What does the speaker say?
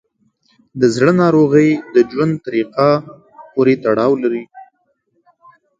د زړه ناروغۍ د ژوند طریقه پورې تړاو لري.